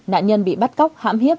nạn nhân bị bắt cóc hãm hiếp